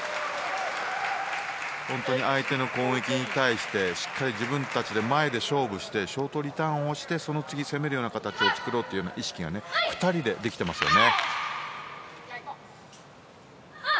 本当に相手の攻撃に対してしっかり自分たちで前で勝負をしてショートリターンをして次に攻めるような形を作ろうという意識が２人でできてますよね。